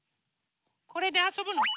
これであそぶの？